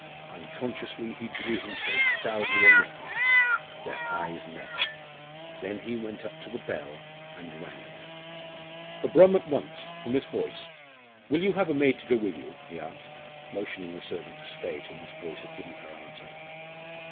Unconsciously he drew himself proudly erect their eyes met. Then he went up to the bell and rang it. "The brougham at once, for Miss Boyce. Will you have a maid to go with you?" he asked, motioning the servant to stay till Miss Boyce had given her answer.